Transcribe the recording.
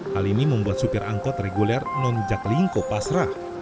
hal ini membuat supir angkot reguler non jaklingko pasrah